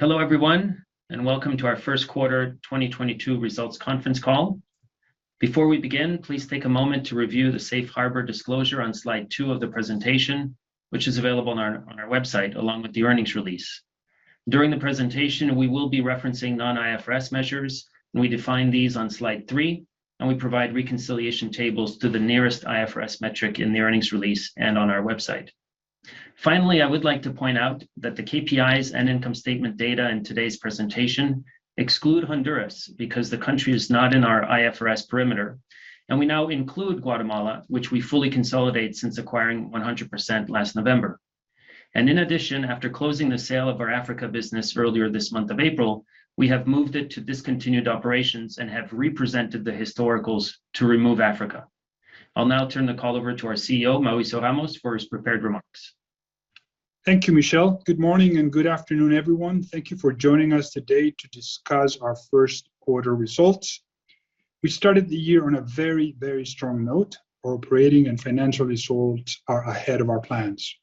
Hello everyone, and welcome to our first quarter 2022 results conference call. Before we begin, please take a moment to review the safe harbor disclosure on slide 2 of the presentation, which is available on our website, along with the earnings release. During the presentation, we will be referencing non-IFRS measures. We define these on slide 3, and we provide reconciliation tables to the nearest IFRS metric in the earnings release and on our website. Finally, I would like to point out that the KPIs and income statement data in today's presentation exclude Honduras because the country is not in our IFRS perimeter. We now include Guatemala, which we fully consolidate since acquiring 100% last November. In addition, after closing the sale of our Africa business earlier this month of April, we have moved it to discontinued operations and have represented the historicals to remove Africa. I'll now turn the call over to our CEO, Mauricio Ramos, for his prepared remarks. Thank you, Michel. Good morning and good afternoon, everyone. Thank you for joining us today to discuss our first quarter results. We started the year on a very, very strong note. Our operating and financial results are ahead of our plans.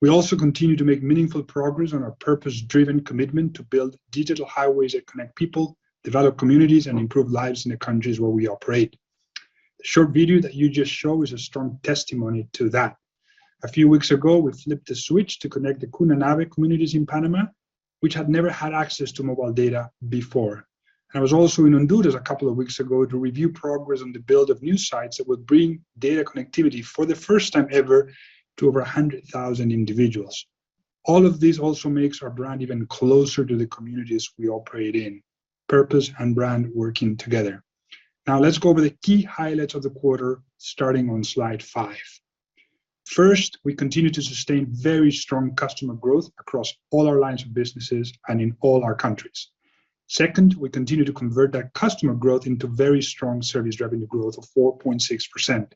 We also continue to make meaningful progress on our purpose-driven commitment to build digital highways that connect people, develop communities, and improve lives in the countries where we operate. The short video that you just show is a strong testimony to that. A few weeks ago, we flipped the switch to connect the Guna Yala communities in Panama which had never had access to mobile data before. I was also in Honduras a couple of weeks ago to review progress on the build of new sites that would bring data connectivity for the first time ever to over 100,000 individuals. All of this also makes our brand even closer to the communities we operate in. Purpose and brand working together. Now let's go over the key highlights of the quarter, starting on slide 5. First, we continue to sustain very strong customer growth across all our lines of businesses and in all our countries. Second, we continue to convert that customer growth into very strong service revenue growth of 4.6%.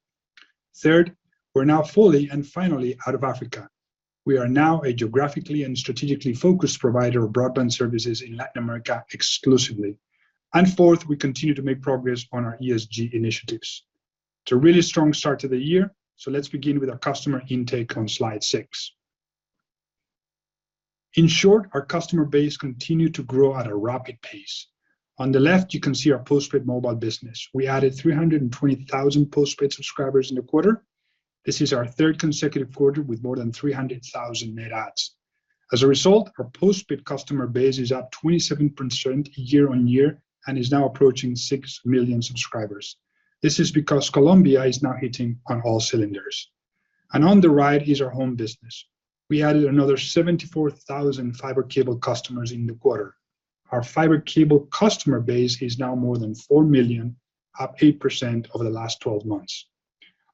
Third, we're now fully and finally out of Africa. We are now a geographically and strategically focused provider of broadband services in Latin America exclusively. Fourth, we continue to make progress on our ESG initiatives. It's a really strong start to the year. Let's begin with our customer intake on slide 6. In short, our customer base continued to grow at a rapid pace. On the left, you can see our postpaid mobile business. We added 320,000 postpaid subscribers in the quarter. This is our third consecutive quarter with more than 300,000 net adds. As a result, our postpaid customer base is up 27% year-on-year and is now approaching 6 million subscribers. This is because Colombia is now hitting on all cylinders. On the right is our home business. We added another 74,000 fiber cable customers in the quarter. Our fiber cable customer base is now more than 4 million, up 8% over the last 12 months.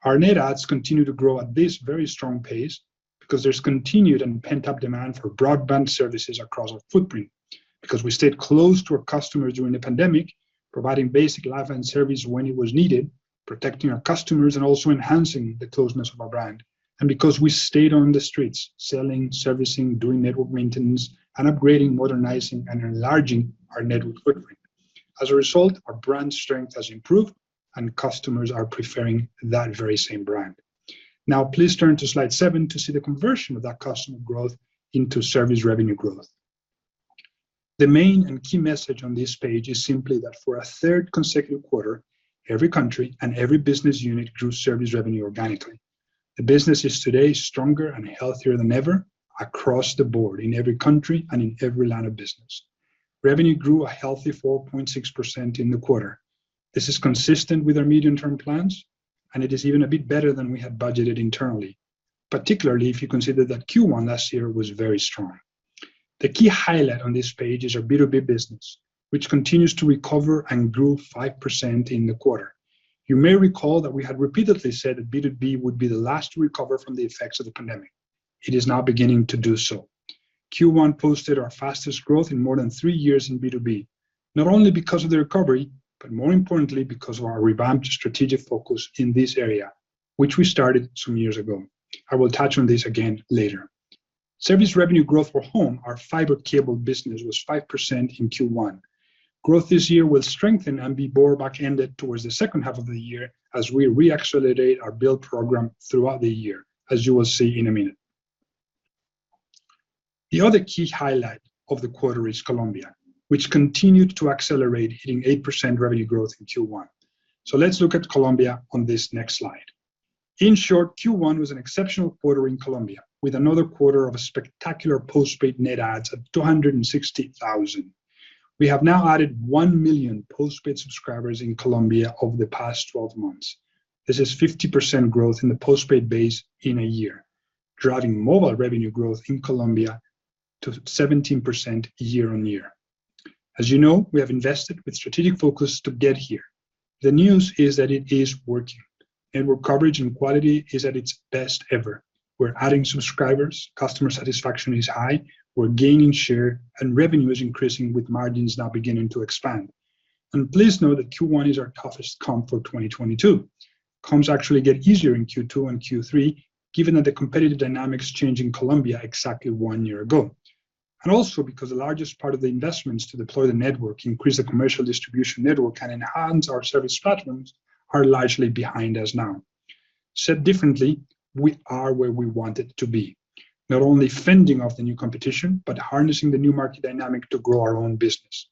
Our net adds continue to grow at this very strong pace because there's continued and pent-up demand for broadband services across our footprint. Because we stayed close to our customers during the pandemic, providing basic lifeline service when it was needed, protecting our customers, and also enhancing the closeness of our brand. Because we stayed on the streets, selling, servicing, doing network maintenance, and upgrading, modernizing, and enlarging our network footprint. As a result, our brand strength has improved and customers are preferring that very same brand. Now, please turn to slide 7 to see the conversion of that customer growth into service revenue growth. The main and key message on this page is simply that for a third consecutive quarter, every country and every business unit grew service revenue organically. The business is today stronger and healthier than ever across the board in every country and in every line of business. Revenue grew a healthy 4.6% in the quarter. This is consistent with our medium-term plans, and it is even a bit better than we had budgeted internally, particularly if you consider that Q1 last year was very strong. The key highlight on this page is our B2B business, which continues to recover and grew 5% in the quarter. You may recall that we had repeatedly said that B2B would be the last to recover from the effects of the pandemic. It is now beginning to do so. Q1 posted our fastest growth in more than 3 years in B2B, not only because of the recovery, but more importantly because of our revamped strategic focus in this area, which we started some years ago. I will touch on this again later. Service revenue growth for home, our fiber cable business was 5% in Q1. Growth this year will strengthen and be more back-ended towards the second half of the year as we re-accelerate our build program throughout the year, as you will see in a minute. The other key highlight of the quarter is Colombia, which continued to accelerate, hitting 8% revenue growth in Q1. Let's look at Colombia on this next slide. In short, Q1 was an exceptional quarter in Colombia, with another quarter of a spectacular postpaid net adds of 260,000. We have now added 1,000,000 postpaid subscribers in Colombia over the past 12 months. This is 50% growth in the postpaid base in a year, driving mobile revenue growth in Colombia to 17% year-on-year. As you know, we have invested with strategic focus to get here. The news is that it is working, network coverage and quality is at its best ever. We're adding subscribers, customer satisfaction is high, we're gaining share, and revenue is increasing with margins now beginning to expand. Please note that Q1 is our toughest comp for 2022. Comps actually get easier in Q2 and Q3, given that the competitive dynamics changed in Colombia exactly one year ago. Also because the largest part of the investments to deploy the network, increase the commercial distribution network, and enhance our service platforms are largely behind us now. Said differently, we are where we wanted to be, not only fending off the new competition, but harnessing the new market dynamic to grow our own business.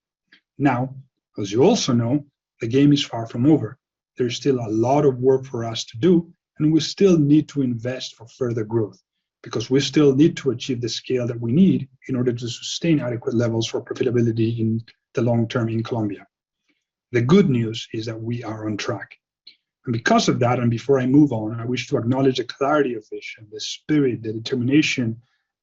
Now, as you also know, the game is far from over. There's still a lot of work for us to do, and we still need to invest for further growth because we still need to achieve the scale that we need in order to sustain adequate levels for profitability in the long term in Colombia. The good news is that we are on track. Because of that, and before I move on, I wish to acknowledge the clarity of vision, the spirit, the determination,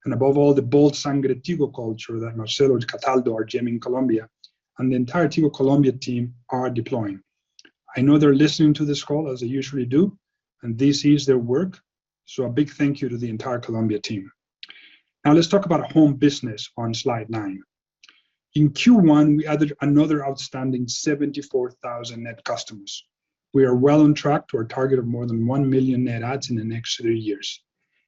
and above all, the bold Sangre Tigo culture that Marcelo Cataldo, our GM in Colombia, and the entire Tigo Colombia team are deploying. I know they're listening to this call as they usually do, and this is their work, so a big thank you to the entire Colombia team. Now let's talk about home business on slide 9. In Q1, we added another outstanding 74,000 net customers. We are well on track to our target of more than 1 million net adds in the next 3 years.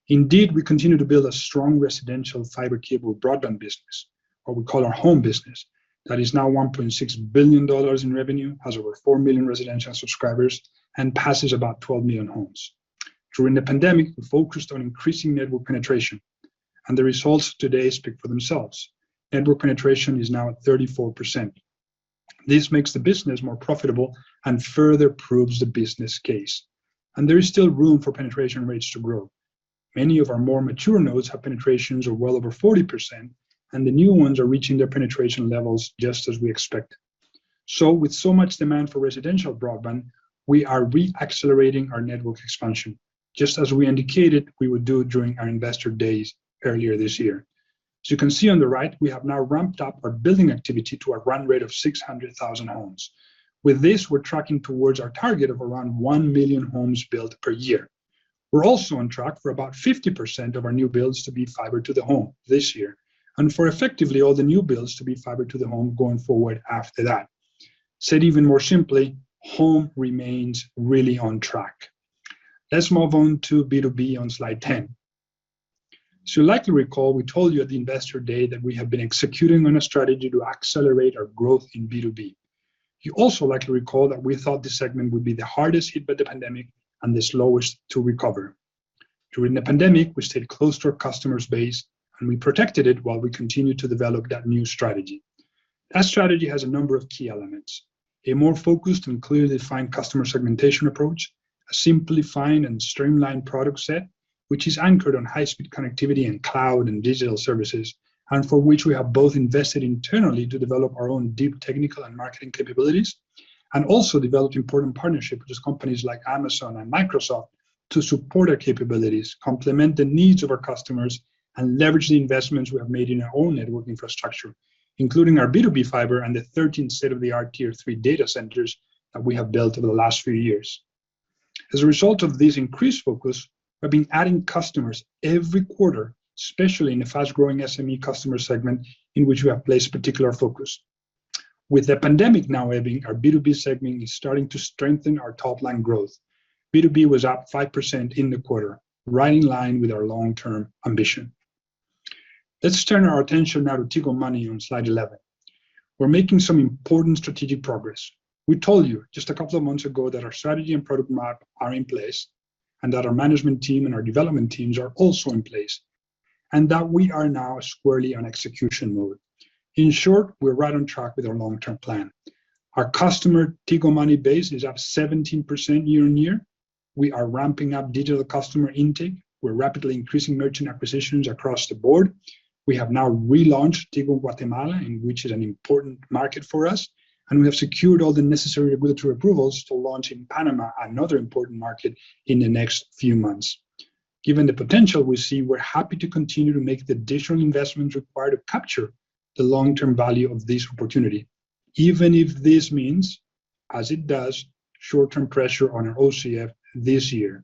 Indeed, we continue to build a strong residential fiber cable broadband business, what we call our home business, that is now $1.6 billion in revenue, has over 4 million residential subscribers, and passes about 12 million homes. During the pandemic, we focused on increasing network penetration, and the results today speak for themselves. Network penetration is now at 34%. This makes the business more profitable and further proves the business case. There is still room for penetration rates to grow. Many of our more mature nodes have penetrations of well over 40%, and the new ones are reaching their penetration levels just as we expect. With so much demand for residential broadband, we are re-accelerating our network expansion, just as we indicated we would do during our investor days earlier this year. You can see on the right, we have now ramped up our building activity to a run rate of 600,000 homes. With this, we're tracking towards our target of around 1 million homes built per year. We're also on track for about 50% of our new builds to be fiber to the home this year, and for effectively all the new builds to be fiber to the home going forward after that. Said even more simply, home remains really on track. Let's move on to B2B on slide 10. You'll likely recall we told you at the investor day that we have been executing on a strategy to accelerate our growth in B2B. You also likely recall that we thought this segment would be the hardest hit by the pandemic and the slowest to recover. During the pandemic, we stayed close to our customer base, and we protected it while we continued to develop that new strategy. That strategy has a number of key elements, a more focused and clearly defined customer segmentation approach, a simplified and streamlined product set, which is anchored on high-speed connectivity and cloud and digital services, and for which we have both invested internally to develop our own deep technical and marketing capabilities, and also developed important partnerships with companies like Amazon and Microsoft to support our capabilities, complement the needs of our customers, and leverage the investments we have made in our own network infrastructure, including our B2B fiber and the 13 state-of-the-art Tier III data centers that we have built over the last few years. As a result of this increased focus, we've been adding customers every quarter, especially in the fast-growing SME customer segment in which we have placed particular focus. With the pandemic now ebbing, our B2B segment is starting to strengthen our top-line growth. B2B was up 5% in the quarter, right in line with our long-term ambition. Let's turn our attention now to Tigo Money on slide 11. We're making some important strategic progress. We told you just a couple of months ago that our strategy and product map are in place, and that our management team and our development teams are also in place, and that we are now squarely on execution mode. In short, we're right on track with our long-term plan. Our customer Tigo Money base is up 17% year-on-year. We are ramping up digital customer intake. We're rapidly increasing merchant acquisitions across the board. We have now relaunched Tigo Guatemala, which is an important market for us, and we have secured all the necessary regulatory approvals to launch in Panama, another important market, in the next few months. Given the potential we see, we're happy to continue to make the additional investments required to capture the long-term value of this opportunity, even if this means, as it does, short-term pressure on our OCF this year.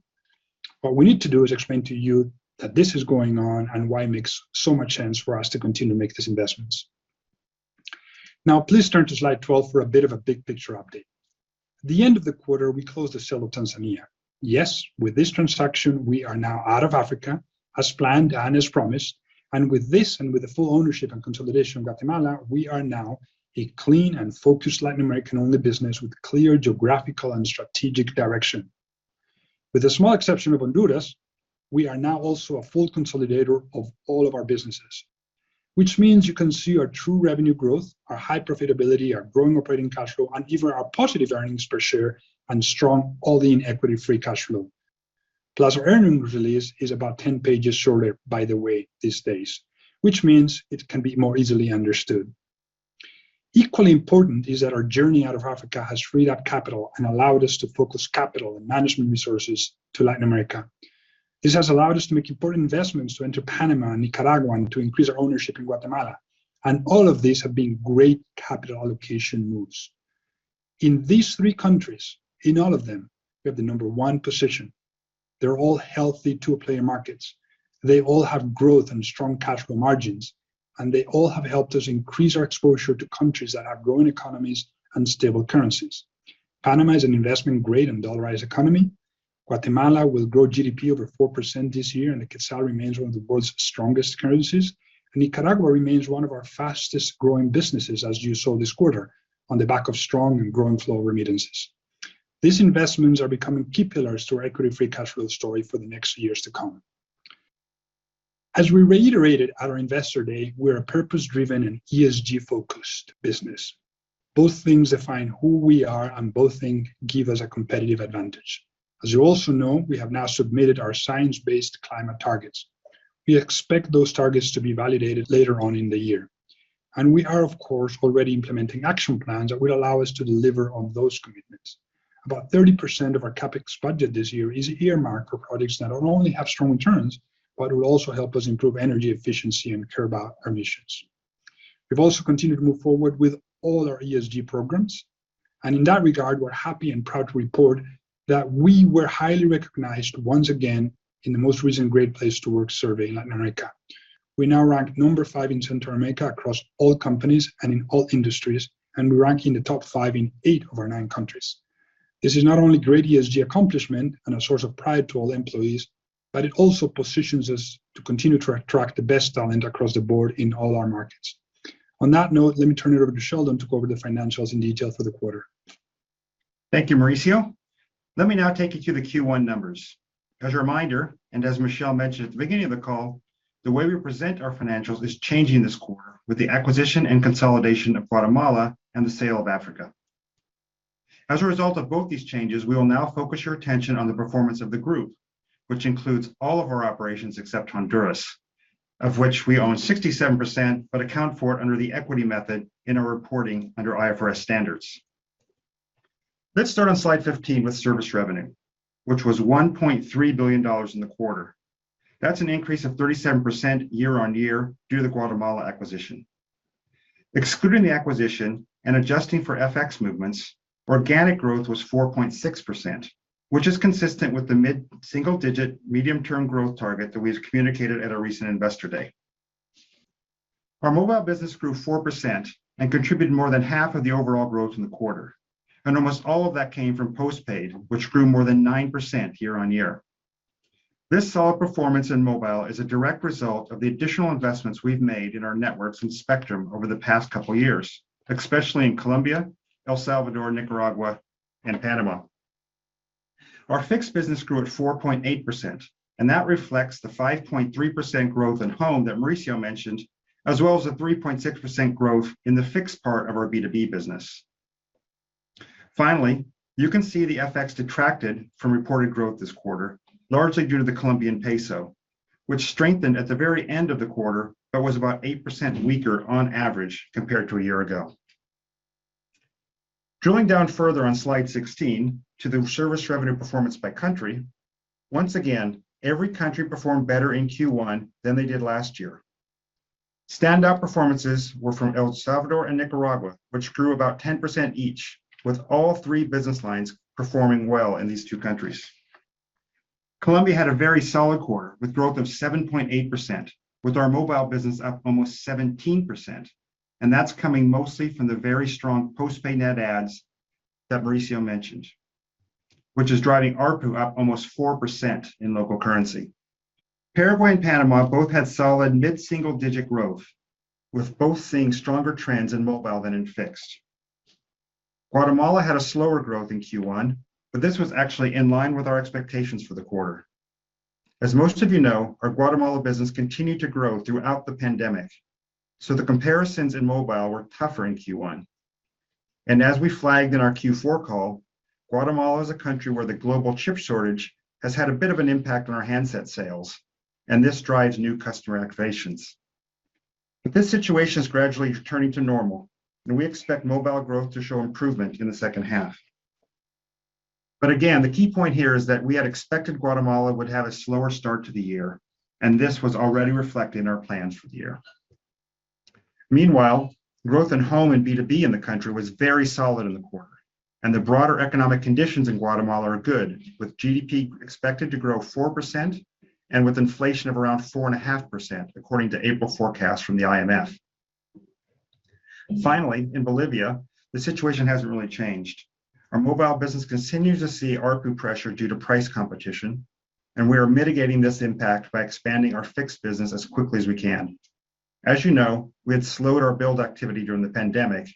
What we need to do is explain to you that this is going on and why it makes so much sense for us to continue to make these investments. Now please turn to slide 12 for a bit of a big picture update. At the end of the quarter, we closed the sale of Tanzania. Yes, with this transaction, we are now out of Africa as planned and as promised. With this and with the full ownership and consolidation of Guatemala, we are now a clean and focused Latin American-only business with clear geographical and strategic direction. With the small exception of Honduras, we are now also a fully consolidated of all of our businesses, which means you can see our true revenue growth, our high profitability, our growing operating cash flow, and even our positive earnings per share and strong all-in equity free cash flow. Plus, our earnings release is about 10 pages shorter, by the way, these days, which means it can be more easily understood. Equally important is that our journey out of Africa has freed up capital and allowed us to focus capital and management resources to Latin America. This has allowed us to make important investments to enter Panama and Nicaragua and to increase our ownership in Guatemala. All of these have been great capital allocation moves. In these three countries, in all of them, we have the number one position. They're all healthy two-player markets. They all have growth and strong cash flow margins, and they all have helped us increase our exposure to countries that have growing economies and stable currencies. Panama is an investment-grade and dollarized economy. Guatemala will grow GDP over 4% this year, and the quetzal remains one of the world's strongest currencies. Nicaragua remains one of our fastest-growing businesses, as you saw this quarter, on the back of strong and growing flow of remittances. These investments are becoming key pillars to our equity free cash flow story for the next years to come. As we reiterated at our Investor Day, we're a purpose-driven and ESG-focused business. Both things define who we are, and both thing give us a competitive advantage. As you also know, we have now submitted our science-based climate targets. We expect those targets to be validated later on in the year. We are, of course, already implementing action plans that will allow us to deliver on those commitments. About 30% of our CapEx budget this year is earmarked for projects that not only have strong returns, but will also help us improve energy efficiency and curb our emissions. We've also continued to move forward with all our ESG programs. In that regard, we're happy and proud to report that we were highly recognized once again in the most recent Great Place to Work survey in Latin America. We now rank number 5 in Central America across all companies and in all industries, and we rank in the top five in eight of our nine countries. This is not only a great ESG accomplishment and a source of pride to all employees, but it also positions us to continue to attract the best talent across the board in all our markets. On that note, let me turn it over to Sheldon to go over the financials in detail for the quarter. Thank you, Mauricio. Let me now take you through the Q1 numbers. As a reminder, and as Michel mentioned at the beginning of the call, the way we present our financials is changing this quarter with the acquisition and consolidation of Guatemala and the sale of Africa. As a result of both these changes, we will now focus your attention on the performance of the group, which includes all of our operations except Honduras, of which we own 67%, but account for it under the equity method in our reporting under IFRS standards. Let's start on slide 15 with service revenue, which was $1.3 billion in the quarter. That's an increase of 37% year-on-year due to the Guatemala acquisition. Excluding the acquisition and adjusting for FX movements, organic growth was 4.6%, which is consistent with the mid-single digit medium-term growth target that we had communicated at our recent Investor Day. Our mobile business grew 4% and contributed more than half of the overall growth in the quarter, and almost all of that came from postpaid, which grew more than 9% year-on-year. This solid performance in mobile is a direct result of the additional investments we've made in our networks and spectrum over the past couple years, especially in Colombia, El Salvador, Nicaragua, and Panama. Our fixed business grew at 4.8%, and that reflects the 5.3% growth in home that Mauricio mentioned, as well as the 3.6% growth in the fixed part of our B2B business. Finally, you can see the FX detracted from reported growth this quarter, largely due to the Colombian peso, which strengthened at the very end of the quarter but was about 8% weaker on average compared to a year ago. Drilling down further on slide 16 to the service revenue performance by country, once again, every country performed better in Q1 than they did last year. Standout performances were from El Salvador and Nicaragua, which grew about 10% each, with all three business lines performing well in these two countries. Colombia had a very solid quarter with growth of 7.8%, with our mobile business up almost 17%, and that's coming mostly from the very strong postpaid net adds that Mauricio mentioned, which is driving ARPU up almost 4% in local currency. Paraguay and Panama both had solid mid-single digit growth, with both seeing stronger trends in mobile than in fixed. Guatemala had a slower growth in Q1, but this was actually in line with our expectations for the quarter. As most of you know, our Guatemala business continued to grow throughout the pandemic, so the comparisons in mobile were tougher in Q1. As we flagged in our Q4 call, Guatemala is a country where the global chip shortage has had a bit of an impact on our handset sales, and this drives new customer activations. This situation is gradually turning to normal, and we expect mobile growth to show improvement in the second half. Again, the key point here is that we had expected Guatemala would have a slower start to the year, and this was already reflected in our plans for the year. Meanwhile, growth in home and B2B in the country was very solid in the quarter, and the broader economic conditions in Guatemala are good, with GDP expected to grow 4% and with inflation of around 4.5%, according to April forecasts from the IMF. Finally, in Bolivia, the situation hasn't really changed. Our mobile business continues to see ARPU pressure due to price competition, and we are mitigating this impact by expanding our fixed business as quickly as we can. As you know, we had slowed our build activity during the pandemic,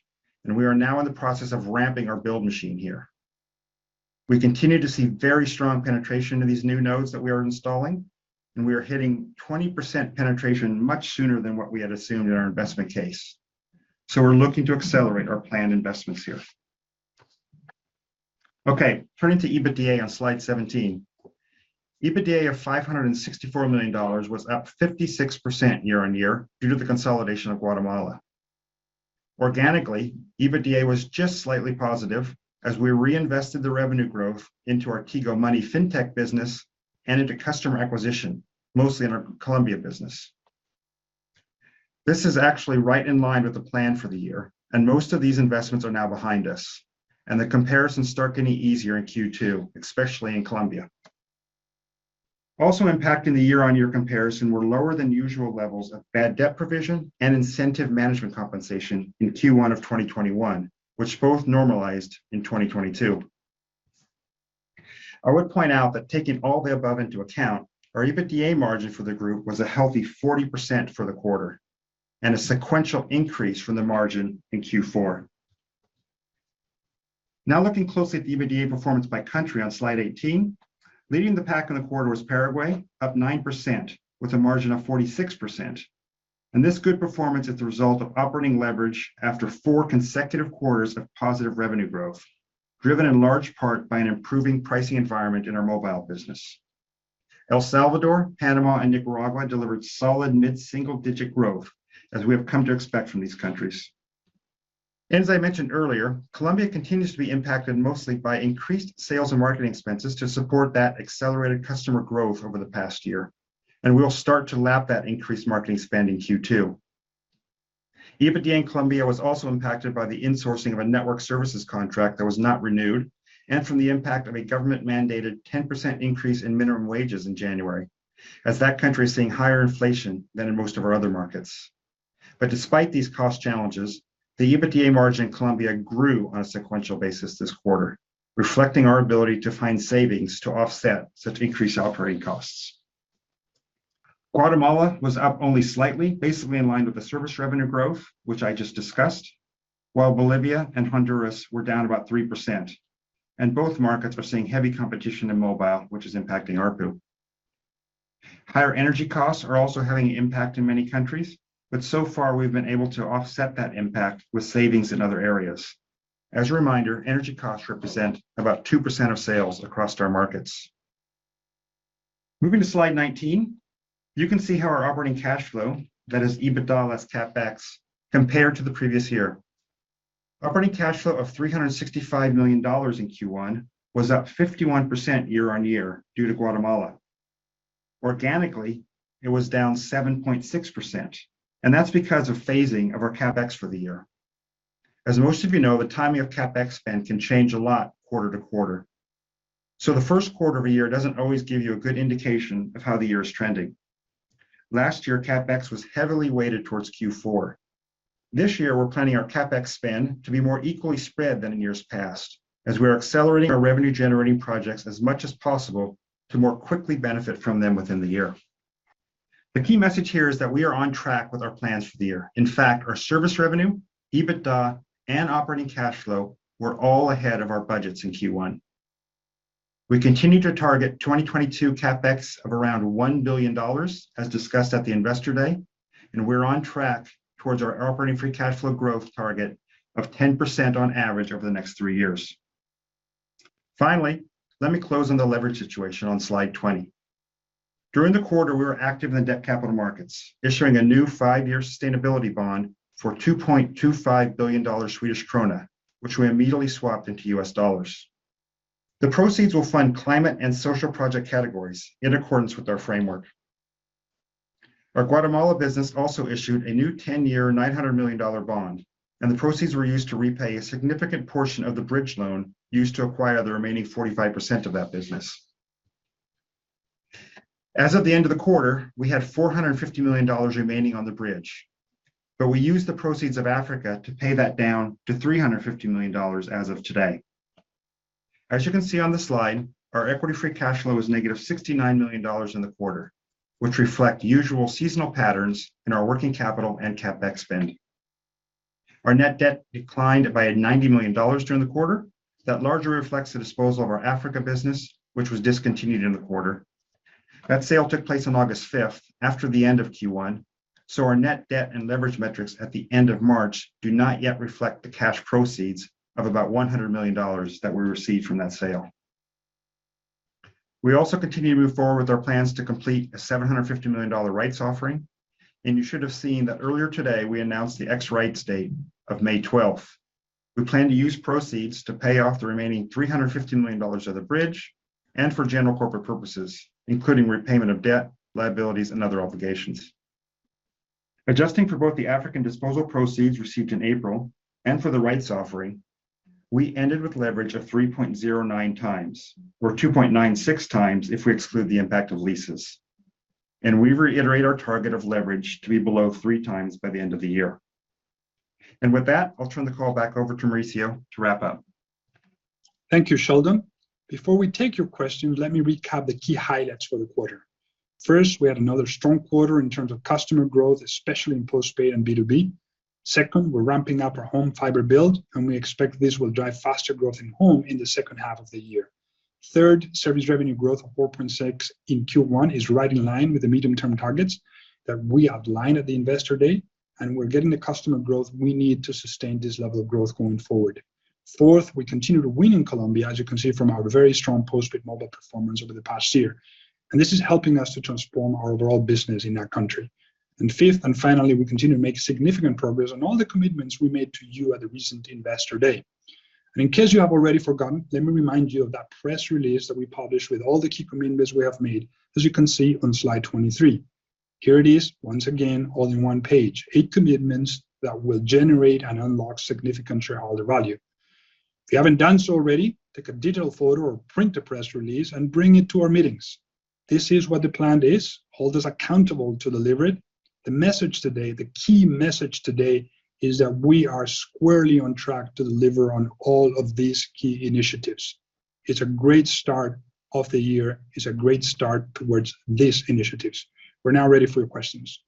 and we are now in the process of ramping our build machine here. We continue to see very strong penetration in these new nodes that we are installing, and we are hitting 20% penetration much sooner than what we had assumed in our investment case. We're looking to accelerate our planned investments here. Okay, turning to EBITDA on slide 17. EBITDA of $564 million was up 56% year-on-year due to the consolidation of Guatemala. Organically, EBITDA was just slightly positive as we reinvested the revenue growth into our Tigo Money fintech business and into customer acquisition, mostly in our Colombia business. This is actually right in line with the plan for the year, and most of these investments are now behind us, and the comparisons start getting easier in Q2, especially in Colombia. Also impacting the year-on-year comparison were lower than usual levels of bad debt provision and incentive management compensation in Q1 of 2021 which both normalized in 2022. I would point out that taking all the above into account, our EBITDA margin for the group was a healthy 40% for the quarter and a sequential increase from the margin in Q4. Now looking closely at the EBITDA performance by country on slide 18, leading the pack in the quarter was Paraguay, up 9% with a margin of 46%. This good performance is the result of operating leverage after 4 consecutive quarters of positive revenue growth, driven in large part by an improving pricing environment in our mobile business. El Salvador, Panama, and Nicaragua delivered solid mid-single-digit growth as we have come to expect from these countries. As I mentioned earlier, Colombia continues to be impacted mostly by increased sales and marketing expenses to support that accelerated customer growth over the past year, and we will start to lap that increased marketing spend in Q2. EBITDA in Colombia was also impacted by the insourcing of a network services contract that was not renewed and from the impact of a government-mandated 10% increase in minimum wages in January as that country is seeing higher inflation than in most of our other markets. Despite these cost challenges, the EBITDA margin in Colombia grew on a sequential basis this quarter, reflecting our ability to find savings to offset such increased operating costs. Guatemala was up only slightly, basically in line with the service revenue growth, which I just discussed. While Bolivia and Honduras were down about 3%, and both markets are seeing heavy competition in mobile, which is impacting ARPU. Higher energy costs are also having an impact in many countries, but so far we've been able to offset that impact with savings in other areas. As a reminder, energy costs represent about 2% of sales across our markets. Moving to slide 19, you can see how our operating cash flow, that is EBITDA less CapEx compared to the previous year. Operating cash flow of $365 million in Q1 was up 51% year-on-year due to Guatemala. Organically, it was down 7.6%, and that's because of phasing of our CapEx for the year. As most of you know, the timing of CapEx spend can change a lot quarter to quarter. The first quarter of a year doesn't always give you a good indication of how the year is trending. Last year, CapEx was heavily weighted towards Q4. This year, we're planning our CapEx spend to be more equally spread than in years past, as we are accelerating our revenue-generating projects as much as possible to more quickly benefit from them within the year. The key message here is that we are on track with our plans for the year. In fact, our service revenue, EBITDA, and operating cash flow were all ahead of our budgets in Q1. We continue to target 2022 CapEx of around $1 billion, as discussed at the Investor Day, and we're on track towards our operating free cash flow growth target of 10% on average over the next 3 years. Finally, let me close on the leverage situation on slide 20. During the quarter, we were active in the debt capital markets, issuing a new 5-year sustainability bond for 2.25 billion Swedish krona, which we immediately swapped into $. The proceeds will fund climate and social project categories in accordance with our framework. Our Guatemala business also issued a new 10-year, $900 million bond, and the proceeds were used to repay a significant portion of the bridge loan used to acquire the remaining 45% of that business. As of the end of the quarter, we had $450 million remaining on the bridge, but we used the proceeds from Africa to pay that down to $350 million as of today. As you can see on the slide, our equity free cash flow is -$69 million in the quarter, which reflect usual seasonal patterns in our working capital and CapEx spending. Our net debt declined by $90 million during the quarter. That largely reflects the disposal of our Africa business, which was discontinued in the quarter. That sale took place on August 5, after the end of Q1, so our net debt and leverage metrics at the end of March do not yet reflect the cash proceeds of about $100 million that we received from that sale. We also continue to move forward with our plans to complete a $750 million rights offering, and you should have seen that earlier today, we announced the ex-rights date of May 12. We plan to use proceeds to pay off the remaining $350 million of the bridge and for general corporate purposes, including repayment of debt, liabilities, and other obligations. Adjusting for both the African disposal proceeds received in April and for the rights offering, we ended with leverage of 3.09x or 2.96x if we exclude the impact of leases. We reiterate our target of leverage to be below 3x by the end of the year. With that, I'll turn the call back over to Mauricio to wrap up. Thank you, Sheldon. Before we take your questions, let me recap the key highlights for the quarter. First, we had another strong quarter in terms of customer growth, especially in postpaid and B2B. Second, we're ramping up our home fiber build, and we expect this will drive faster growth in home in the second half of the year. Third, service revenue growth of 4.6% in Q1 is right in line with the medium-term targets that we outlined at the Investor Day, and we're getting the customer growth we need to sustain this level of growth going forward. Fourth, we continue to win in Colombia, as you can see from our very strong postpaid mobile performance over the past year, and this is helping us to transform our overall business in that country. Fifth, and finally, we continue to make significant progress on all the commitments we made to you at the recent Investor Day. In case you have already forgotten, let me remind you of that press release that we published with all the key commitments we have made, as you can see on slide 23. Here it is once again, all in one page. Eight commitments that will generate and unlock significant shareholder value. If you haven't done so already, take a digital photo or print the press release and bring it to our meetings. This is what the plan is. Hold us accountable to deliver it. The message today, the key message today is that we are squarely on track to deliver on all of these key initiatives. It's a great start of the year. It's a great start towards these initiatives. We're now ready for your questions.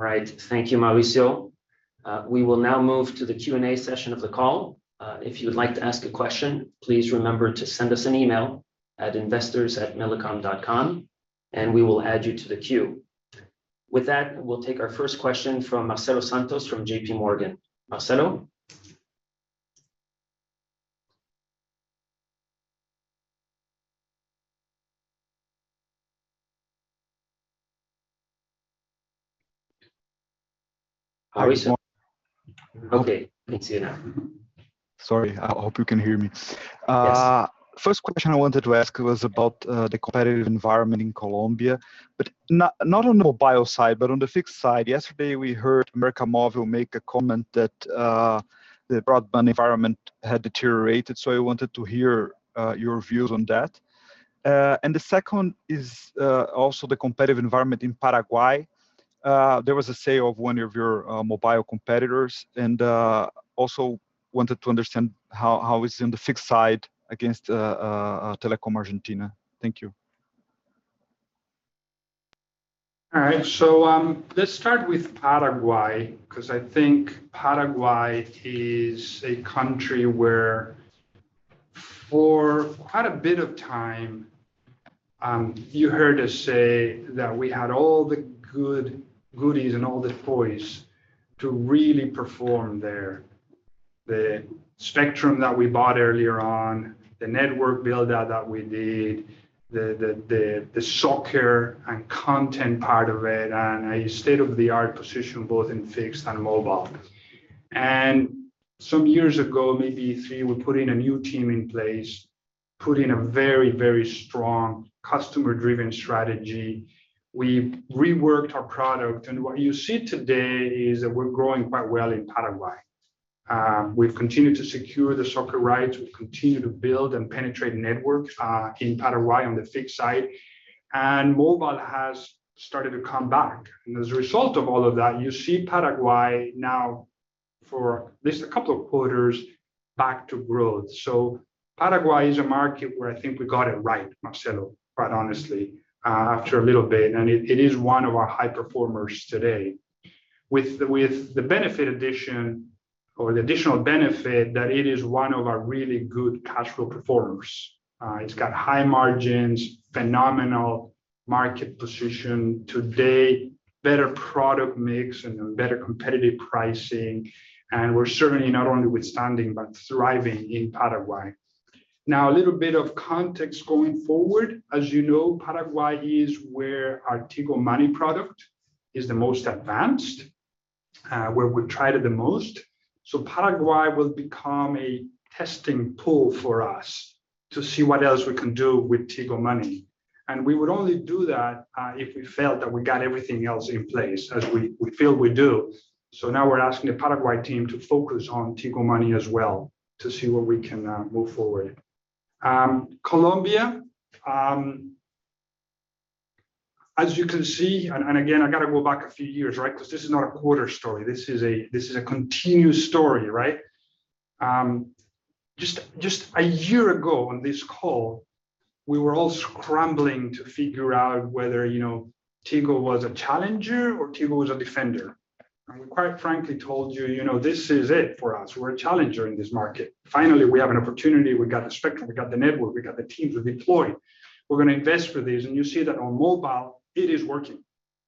All right. Thank you, Mauricio. We will now move to the Q&A session of the call. If you would like to ask a question, please remember to send us an email at investors@millicom.com, and we will add you to the queue. With that, we'll take our first question from Marcelo Santos from JPMorgan. Marcelo? Good morning. Okay, can see you now. Sorry, I hope you can hear me. Yes. First question I wanted to ask was about the competitive environment in Colombia, but not on the mobile side, but on the fixed side. Yesterday, we heard América Móvil make a comment that the broadband environment had deteriorated, so I wanted to hear your views on that. The second is also the competitive environment in Paraguay. There was a sale of one of your mobile competitors, and also wanted to understand how it's in the fixed side against Telecom Argentina. Thank you. All right. Let's start with Paraguay because I think Paraguay is a country where for quite a bit of time, you heard us say that we had all the good goodies and all the toys to really perform there. The spectrum that we bought earlier on, the network build-out that we did, the soccer and content part of it, and a state-of-the-art position both in fixed and mobile. Some years ago, maybe three, we put in a new team in place, put in a very, very strong customer-driven strategy. We've reworked our product, and what you see today is that we're growing quite well in Paraguay. We've continued to secure the soccer rights. We've continued to build and penetrate network in Paraguay on the fixed side. Mobile has started to come back. As a result of all of that, you see Paraguay now for at least a couple of quarters back to growth. Paraguay is a market where I think we got it right, Marcelo, quite honestly, after a little bit. It is one of our high performers today. With the benefit addition or the additional benefit that it is one of our really good cash flow performers. It's got high margins, phenomenal market position today, better product mix and better competitive pricing, and we're certainly not only withstanding, but thriving in Paraguay. Now, a little bit of context going forward. As you know, Paraguay is where our Tigo Money product is the most advanced, where we've tried it the most. Paraguay will become a testing pool for us to see what else we can do with Tigo Money. We would only do that if we felt that we got everything else in place as we feel we do. Now we're asking the Paraguay team to focus on Tigo Money as well to see where we can move forward. Colombia, as you can see, and again, I gotta go back a few years, right? Because this is not a quarter story. This is a continuous story, right? Just a year ago on this call, we were all scrambling to figure out whether, you know, Tigo was a challenger or Tigo was a defender. We quite frankly told you know, this is it for us. We're a challenger in this market. Finally, we have an opportunity. We've got the spectrum, we've got the network, we've got the teams, we've deployed. We're gonna invest for this. You see that on mobile, it is working.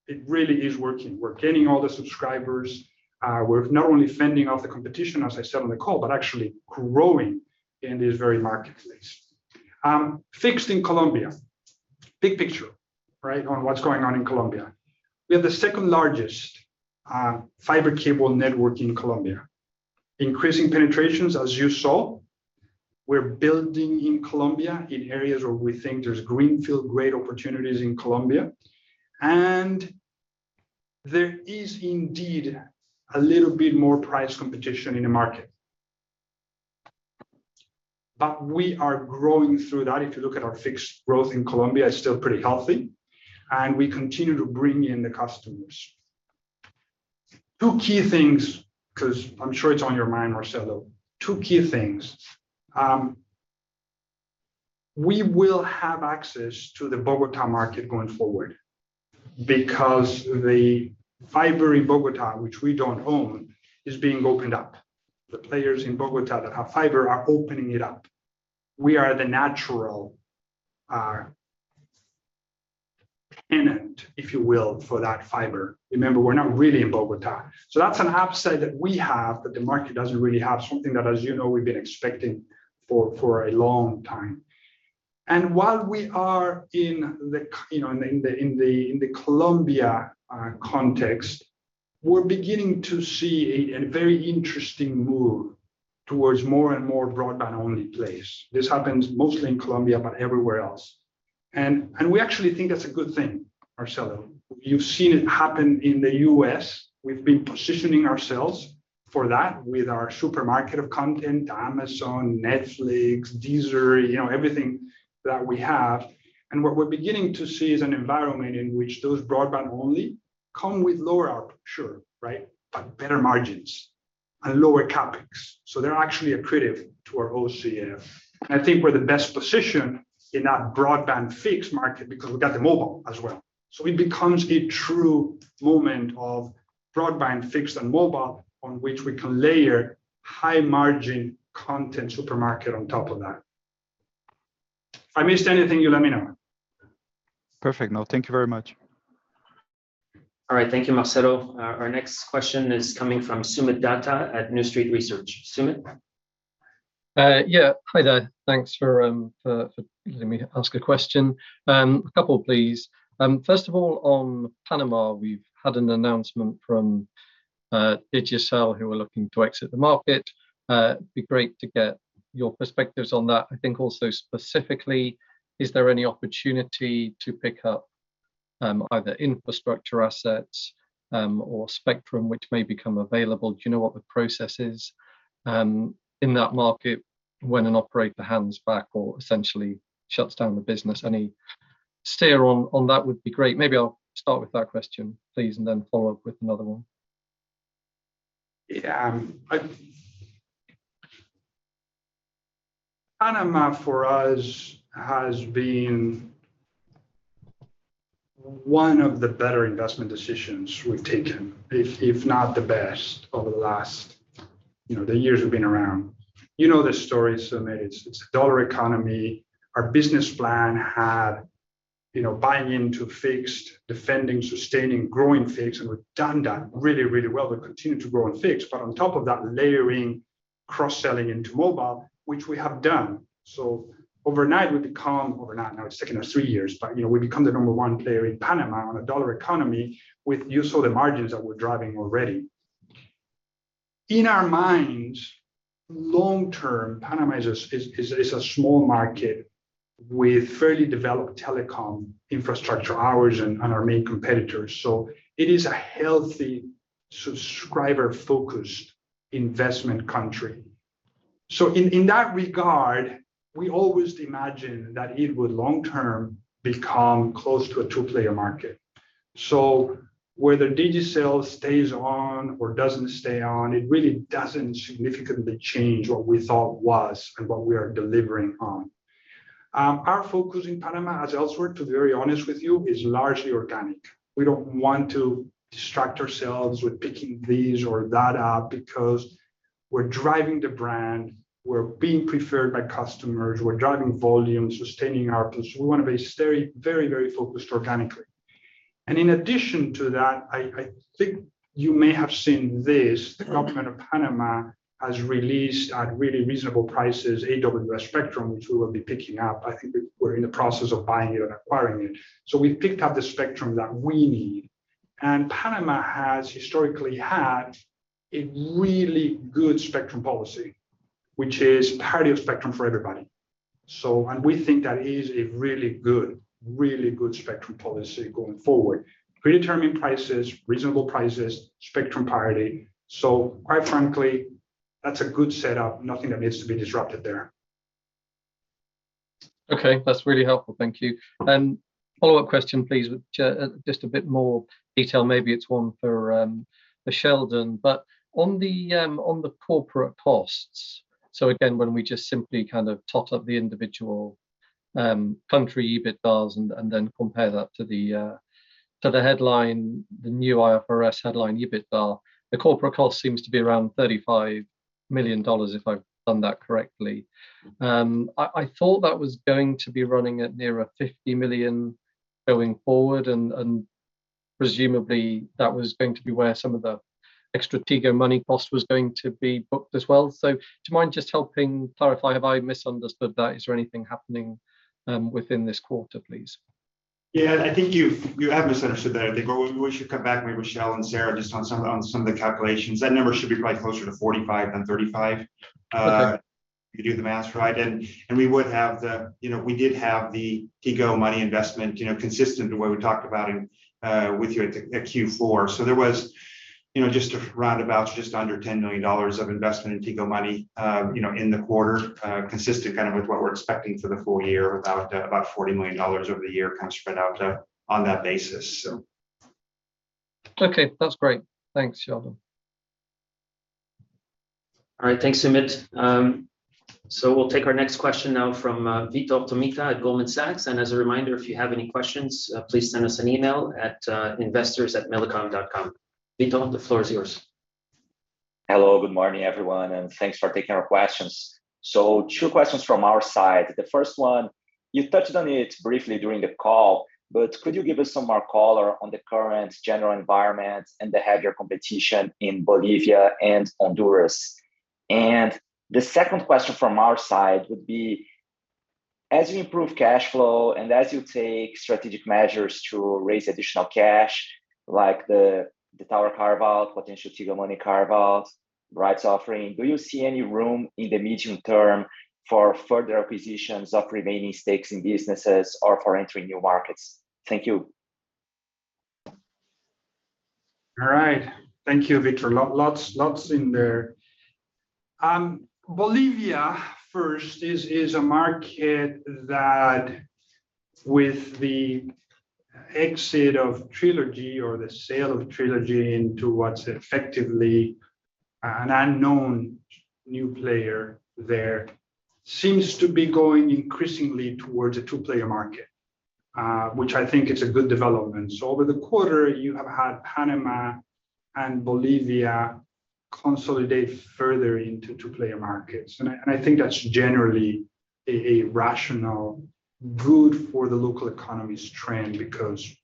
It really is working. We're gaining all the subscribers. We're not only fending off the competition, as I said on the call, but actually growing in this very marketplace. Fixed in Colombia. Big picture, right, on what's going on in Colombia. We have the second-largest fiber cable network in Colombia. Increasing penetrations, as you saw. We're building in Colombia in areas where we think there's greenfield great opportunities in Colombia. There is indeed a little bit more price competition in the market. We are growing through that. If you look at our fixed growth in Colombia, it's still pretty healthy. We continue to bring in the customers. Two key things, because I'm sure it's on your mind, Marcelo. Two key things. We will have access to the Bogotá market going forward because the fiber in Bogotá, which we don't own, is being opened up. The players in Bogotá that have fiber are opening it up. We are the natural tenant, if you will, for that fiber. Remember, we're not really in Bogotá. That's an upside that we have, that the market doesn't really have, something that, as you know, we've been expecting for a long time. While we are in the Colombia context, you know, we're beginning to see a very interesting move towards more and more broadband-only plans. This happens mostly in Colombia, but everywhere else. We actually think that's a good thing, Marcelo. You've seen it happen in the U.S. We've been positioning ourselves for that with our supermarket of content, Amazon, Netflix, Deezer, you know, everything that we have. What we're beginning to see is an environment in which those broadband-only come with lower ARPU, sure, right? Better margins and lower CapEx. They're actually accretive to our OCF. I think we're the best positioned in that broadband fixed market because we've got the mobile as well. It becomes a true movement of broadband fixed and mobile on which we can layer high margin content supermarket on top of that. If I missed anything, you let me know. Perfect. No, thank you very much. All right. Thank you, Marcelo. Our next question is coming from Soomit Datta at New Street Research. Soomit? Yeah. Hi there. Thanks for letting me ask a question. A couple please. First of all, on Panama, we've had an announcement from Digicel, who are looking to exit the market. It'd be great to get your perspectives on that. I think also specifically, is there any opportunity to pick up either infrastructure assets or spectrum which may become available? Do you know what the process is in that market when an operator hands back or essentially shuts down the business? Any steer on that would be great. Maybe I'll start with that question, please, and then follow up with another one. Panama for us has been one of the better investment decisions we've taken, if not the best over the last, you know, the years we've been around. You know the story, Soomit. It's a dollar economy. Our business plan had, you know, buying into fixed, defending, sustaining, growing fixed, and we've done that really, really well. We continue to grow in fixed. But on top of that, layering cross-selling into mobile, which we have done. Overnight, now it's taken us 3 years. But, you know, we become the number one player in Panama on a dollar economy with, as you saw, the margins that we're driving already. In our minds, long term, Panama is a small market with fairly developed telecom infrastructure, ours and our main competitors. It is a healthy subscriber-focused investment country. In that regard, we always imagined that it would long term become close to a two-player market. Whether Digicel stays on or doesn't stay on, it really doesn't significantly change what we thought was and what we are delivering on. Our focus in Panama, as elsewhere to be very honest with you, is largely organic. We don't want to distract ourselves with picking this or that up because we're driving the brand, we're being preferred by customers, we're driving volume, sustaining ARPU, so we wanna be very, very focused organically. In addition to that, I think you may have seen this, the government of Panama has released at really reasonable prices AWS spectrum, which we will be picking up. I think we're in the process of buying it and acquiring it. We've picked up the spectrum that we need, and Panama has historically had a really good spectrum policy, which is parity of spectrum for everybody. We think that is a really good spectrum policy going forward. Predetermined prices, reasonable prices, spectrum parity. Quite frankly, that's a good setup. Nothing that needs to be disrupted there. Okay. That's really helpful, thank you. Follow-up question, please. Just a bit more detail. Maybe it's one for Sheldon. On the corporate costs, when we just simply kind of tot up the individual country EBITDA and then compare that to the headline, the new IFRS headline EBITDA. The corporate cost seems to be around $35 million if I've done that correctly. I thought that was going to be running at nearer $50 million going forward and presumably that was going to be where some of the extra Tigo Money cost was going to be booked as well. Do you mind just helping clarify have I misunderstood that? Is there anything happening within this quarter, please? Yeah. I think you have misunderstood that. I think what we should come back maybe with Sheldon and Sarah just on some of the calculations. That number should be probably closer to 45 than 35. Okay. If you do the math, right? You know, we did have the Tigo Money investment, you know, consistent to what we talked about in with you at Q4. There was, you know, just around about just under $10 million of investment in Tigo Money, you know, in the quarter, consistent kind of with what we're expecting for the full year with about $40 million over the year kind of spread out, on that basis, so. Okay. That's great. Thanks, Sheldon. All right. Thanks, Soomit. We'll take our next question now from Vitor Tomita at Goldman Sachs. As a reminder, if you have any questions, please send us an email at investors@millicom.com. Vitor, the floor is yours. Hello, good morning, everyone, and thanks for taking our questions. Two questions from our side. The first one, you touched on it briefly during the call, but could you give us some more color on the current general environment and the heavier competition in Bolivia and Honduras? The second question from our side would be. As you improve cash flow and as you take strategic measures to raise additional cash like the tower carve-out, potential Tigo Money carve-out, rights offering, do you see any room in the medium term for further acquisitions of remaining stakes in businesses or for entering new markets? Thank you. All right. Thank you, Vitor. Lots in there. Bolivia, first, is a market that with the exit of Trilogy or the sale of Trilogy into what's effectively an unknown new player there seems to be going increasingly towards a two-player market, which I think is a good development. Over the quarter, you have had Panama and Bolivia consolidate further into two-player markets. I think that's generally a rational, good for the local economies trend because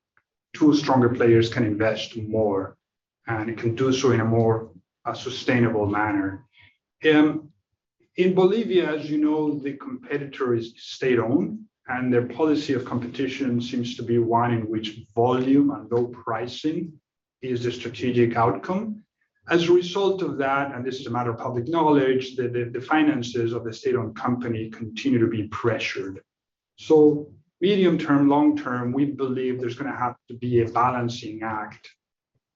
two stronger players can invest more, and it can do so in a more sustainable manner. In Bolivia, as you know, the competitor is state-owned, and their policy of competition seems to be one in which volume and low pricing is the strategic outcome. As a result of that, and this is a matter of public knowledge, the finances of the state-owned company continue to be pressured. Medium term, long term, we believe there's gonna have to be a balancing act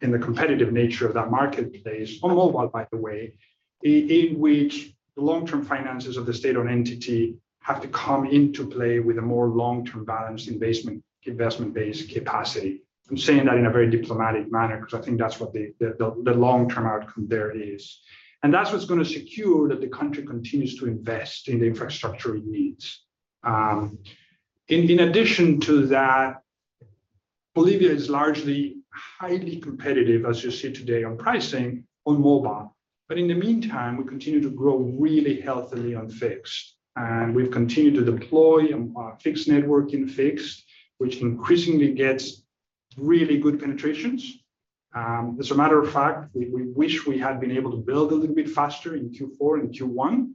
in the competitive nature of that marketplace on mobile, by the way, in which the long-term finances of the state-owned entity have to come into play with a more long-term balanced investment-based capacity. I'm saying that in a very diplomatic manner because I think that's what the long-term outcome there is. That's what's gonna secure that the country continues to invest in the infrastructure it needs. In addition to that, Bolivia is largely highly competitive, as you see today, on pricing on mobile. In the meantime, we continue to grow really healthily on fixed, and we've continued to deploy on our fixed network in fixed, which increasingly gets really good penetrations. As a matter of fact, we wish we had been able to build a little bit faster in Q4 and Q1,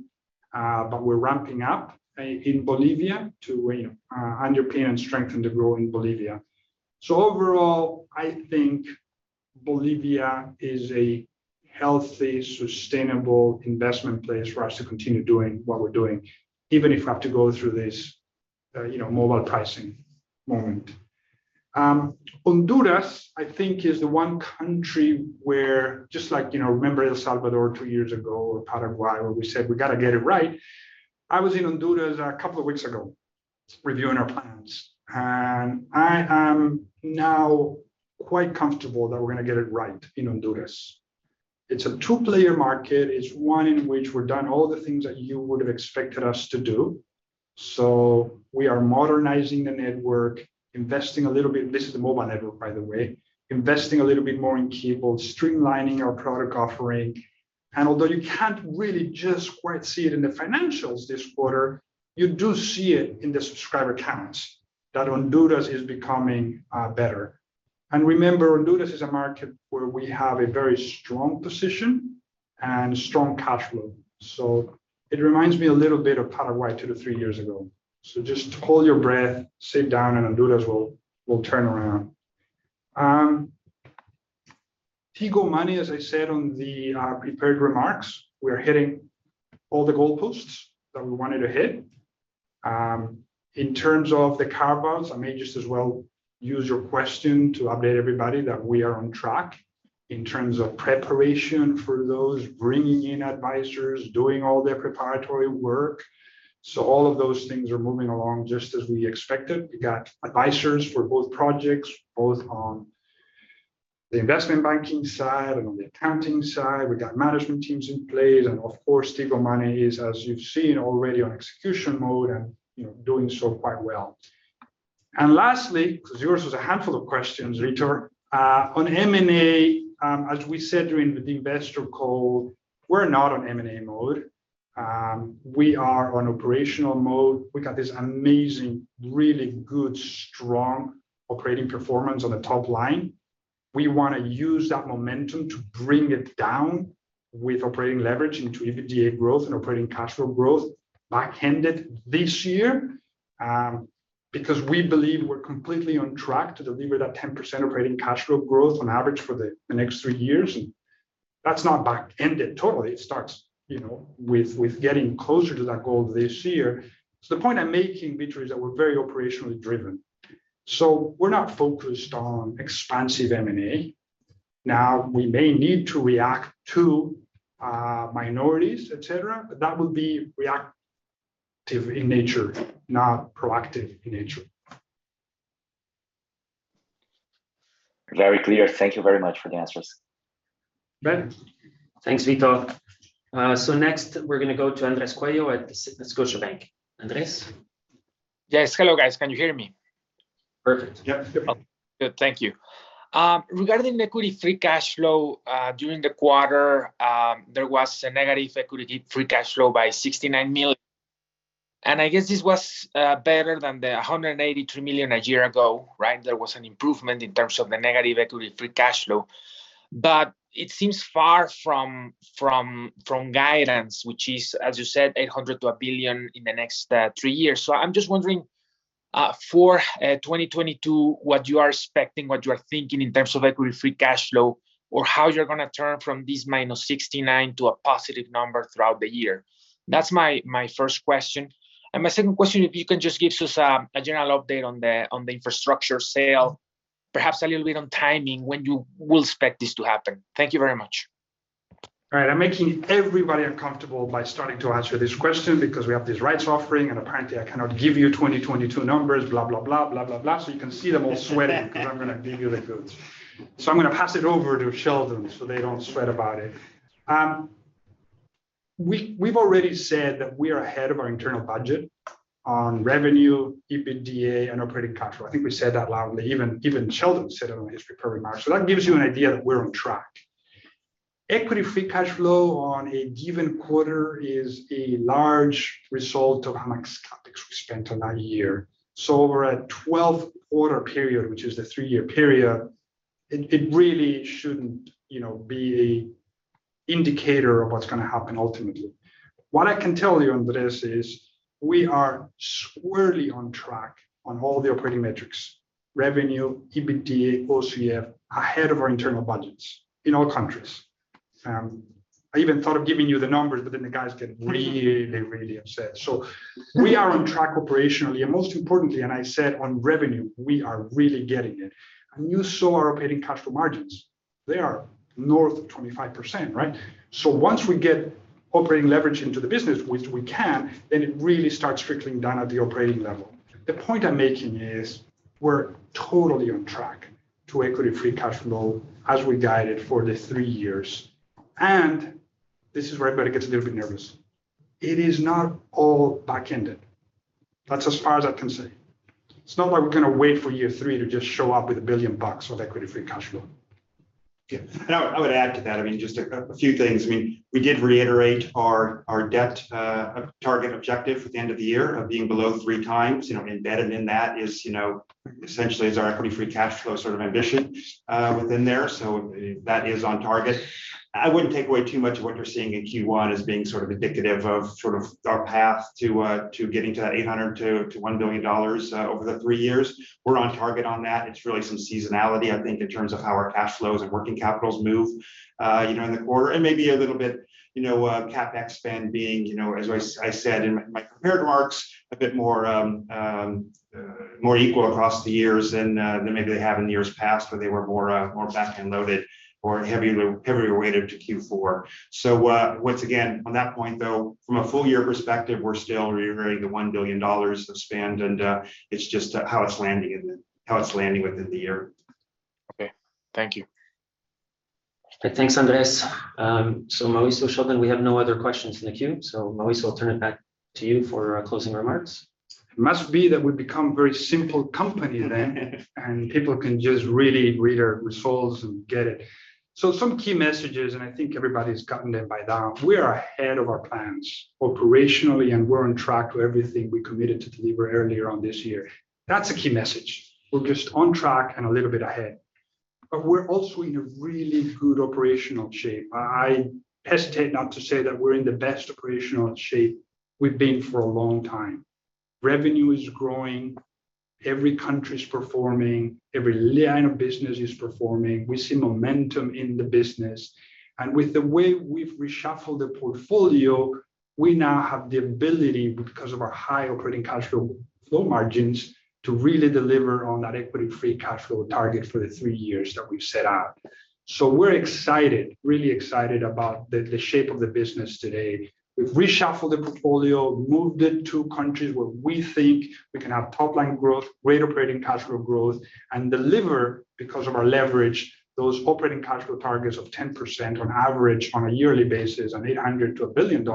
but we're ramping up in Bolivia to, you know, underpin and strengthen the growth in Bolivia. Overall, I think Bolivia is a healthy, sustainable investment place for us to continue doing what we're doing, even if we have to go through this, you know, mobile pricing moment. Honduras, I think, is the one country where just like, you know, remember El Salvador 2 years ago or Paraguay, where we said we gotta get it right. I was in Honduras a couple of weeks ago reviewing our plans, and I am now quite comfortable that we're gonna get it right in Honduras. It's a two-player market. It's one in which we've done all the things that you would have expected us to do. We are modernizing the network, investing a little bit. This is the mobile network, by the way. Investing a little bit more in cable, streamlining our product offering. Although you can't really just quite see it in the financials this quarter, you do see it in the subscriber counts that Honduras is becoming better. Remember, Honduras is a market where we have a very strong position and strong cash flow. It reminds me a little bit of Paraguay 2-3 years ago. Just hold your breath, sit down, and Honduras will turn around. Tigo Money, as I said on the prepared remarks, we're hitting all the goalposts that we wanted to hit. In terms of the carve-outs, I may just as well use your question to update everybody that we are on track in terms of preparation for those, bringing in advisors, doing all their preparatory work. All of those things are moving along just as we expected. We got advisors for both projects, both on the investment banking side and on the accounting side. We got management teams in place. Of course, Tigo Money is, as you've seen already, on execution mode and, you know, doing so quite well. Lastly, because yours was a handful of questions, Vitor, on M&A, as we said during the investor call, we're not on M&A mode. We are on operational mode. We got this amazing, really good, strong operating performance on the top line. We wanna use that momentum to bring it down with operating leverage into EBITDA growth and operating cash flow growth back-ended this year, because we believe we're completely on track to deliver that 10% operating cash flow growth on average for the next 3 years. That's not back-ended totally. It starts, you know, with getting closer to that goal this year. The point I'm making, Vitor, is that we're very operationally driven. We're not focused on expansive M&A. Now, we may need to react to minorities, et cetera, but that would be reactive in nature, not proactive in nature. Very clear. Thank you very much for the answers. Great. Thanks, Vitor. Next we're gonna go to Andres Coello at Scotiabank. Andres? Yes. Hello, guys. Can you hear me? Perfect. Yep. Good. Thank you. Regarding the equity free cash flow during the quarter, there was a negative equity free cash flow of $69 million. I guess this was better than the $183 million a year ago, right? There was an improvement in terms of the negative equity free cash flow. It seems far from guidance, which is, as you said, $800 million-$1 billion in the next 3 years. I'm just wondering for 2022, what you are expecting, what you are thinking in terms of equity free cash flow or how you're gonna turn from this -$69 million to a positive number throughout the year. That's my first question. My second question, if you can just give us a general update on the infrastructure sale, perhaps a little bit on timing when you will expect this to happen. Thank you very much. All right. I'm making everybody uncomfortable by starting to answer this question because we have this rights offering and apparently I cannot give you 2022 numbers, blah, blah, blah. You can see them all sweating because I'm gonna give you the goods. I'm gonna pass it over to Sheldon so they don't sweat about it. We've already said that we are ahead of our internal budget on revenue, EBITDA and operating cash flow. I think we said that loudly. Even Sheldon said it on his prepared remarks. That gives you an idea that we're on track. Equity free cash flow on a given quarter is a large result of how much CapEx we spent on that year. Over a 12-quarter period, which is the three-year period, it really shouldn't, you know, be an indicator of what's gonna happen ultimately. What I can tell you, Andres, is we are squarely on track on all the operating metrics, revenue, EBITDA, OCF, ahead of our internal budgets in all countries. I even thought of giving you the numbers, but then the guys get really upset. We are on track operationally. Most importantly, and I said on revenue, we are really getting it. You saw our operating cash flow margins. They are north of 25%, right? Once we get operating leverage into the business, which we can, then it really starts trickling down at the operating level. The point I'm making is we're totally on track to equity free cash flow as we guided for the 3 years. This is where everybody gets a little bit nervous. It is not all back-ended. That's as far as I can say. It's not like we're gonna wait for year 3 to just show up with $1 billion of equity free cash flow. Yeah. I would add to that, I mean, just a few things. I mean, we did reiterate our debt target objective at the end of the year of being below 3x. You know, embedded in that is essentially our equity free cash flow sort of ambition within there. That is on target. I wouldn't take away too much of what you're seeing in Q1 as being indicative of our path to getting to that $800 million-$1 billion over the 3 years. We're on target on that. It's really some seasonality I think in terms of how our cash flows and working capital move in the quarter. Maybe a little bit, you know, CapEx spend being, you know, as I said in my prepared remarks, a bit more equal across the years than maybe they have in the years past where they were more back-end loaded or heavy weighted to Q4. Once again, on that point though, from a full year perspective, we're still reiterating the $1 billion of spend and it's just how it's landing within the year. Okay. Thank you. Thanks, Andres. Mauricio, Sheldon, we have no other questions in the queue. Mauricio, I'll turn it back to you for closing remarks. It must be that we've become a very simple company then. People can just really read our results and get it. Some key messages, and I think everybody's gotten it by now. We are ahead of our plans operationally, and we're on track to everything we committed to deliver earlier on this year. That's a key message. We're just on track and a little bit ahead. We're also in a really good operational shape. I hesitate not to say that we're in the best operational shape we've been for a long time. Revenue is growing. Every country's performing. Every line of business is performing. We see momentum in the business. With the way we've reshuffled the portfolio, we now have the ability, because of our high operating cash flow margins, to really deliver on that equity free cash flow target for the 3 years that we've set out. We're excited, really excited about the shape of the business today. We've reshuffled the portfolio, moved it to countries where we think we can have top line growth, great operating cash flow growth, and deliver, because of our leverage, those operating cash flow targets of 10% on average on a yearly basis on $800 million-$1 billion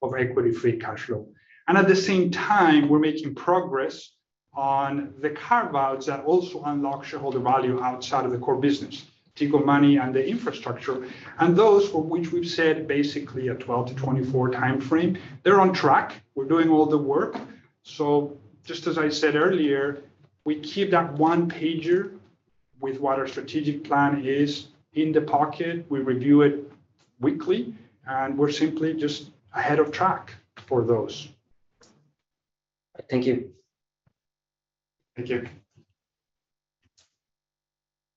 of equity free cash flow. At the same time, we're making progress on the carve-outs that also unlock shareholder value outside of the core business, Tigo Money and the infrastructure. Those for which we've said basically a 12-24 timeframe. They're on track. We're doing all the work. Just as I said earlier, we keep that one-pager with what our strategic plan is in the pocket. We review it weekly. We're simply just ahead of track for those. Thank you. Thank you.